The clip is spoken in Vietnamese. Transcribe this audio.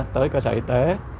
tới cơ sở y tế